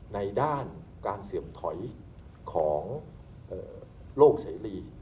ในด้านการเสื่อมถอยของโลกเสรี